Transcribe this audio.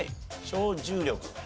超重力？